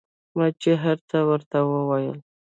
ما چې هرڅه ورته وويل.